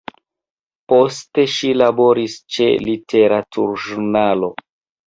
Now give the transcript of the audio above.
Poste ŝi laboris ĉe literaturĵurnalo.